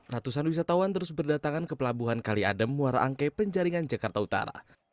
ratusan wisatawan terus berdatangan ke pelabuhan kali adem muara angke penjaringan jakarta utara